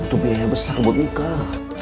itu biaya besar buat nikah